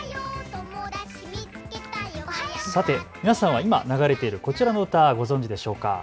さて皆さんは今流れているこちらの歌、ご存じでしょうか。